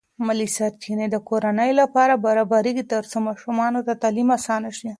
مالی سرچینې د کورنۍ لپاره برابرېږي ترڅو ماشومانو ته تعلیم اسانه شي.